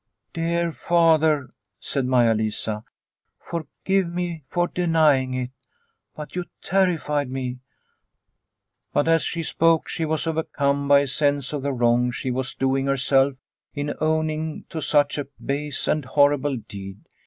" Dear Father," said Maia Lisa, "forgive me for denying it. But you terrified me ..." But as she spoke she was overcome by a sense of the wrong she was doing herself in owning to such a base and horrible deed.